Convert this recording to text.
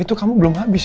itu kamu belum habis loh